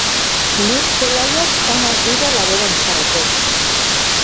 Lur zelaiak onak dira laborantzarako.